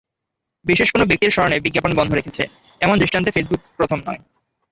বিশেষ কোনো ব্যক্তির স্মরণে বিজ্ঞাপন বন্ধ রেখেছে, এমন দৃষ্টান্তে ফেসবুক প্রথম নয়।